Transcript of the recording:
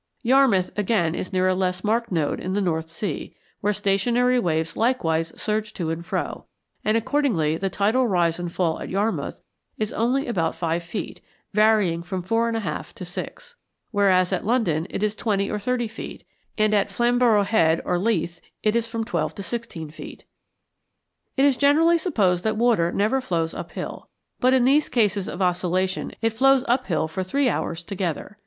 Yarmouth, again, is near a less marked node in the North Sea, where stationary waves likewise surge to and fro, and accordingly the tidal rise and fall at Yarmouth is only about five feet (varying from four and a half to six), whereas at London it is twenty or thirty feet, and at Flamborough Head or Leith it is from twelve to sixteen feet. It is generally supposed that water never flows up hill, but in these cases of oscillation it flows up hill for three hours together.